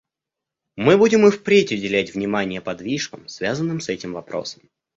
Мы будем и впредь уделять внимание подвижкам, связанным с этим вопросом.